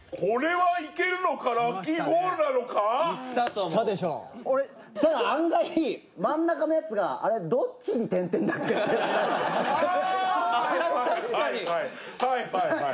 はいはいはいはい。